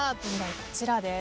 こちらです。